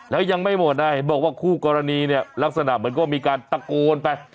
แล้วยังไม่หมดนะเห็นบอกว่าคู่กรณีเนี่ยลักษณะเหมือนก็มีการตะโกนไป